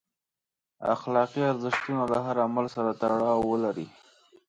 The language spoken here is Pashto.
اخلاقي ارزښتونه له هر عمل سره تړاو ولري.